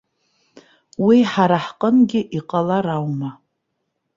Уи ҳара ҳҟынгьы иҟалар аума?